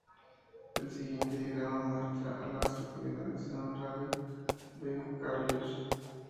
El siguiente diagrama muestra a las localidades en un radio de de Carlisle.